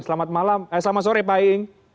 selamat malam selamat sore pak iing